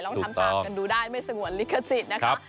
ลองทานกันดูได้ไม้ส่วนลิขสิทธิ์นะครับ